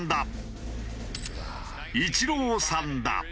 イチローさんだ。